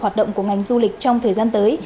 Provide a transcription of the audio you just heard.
hoạt động của ngành du lịch trong thời gian tới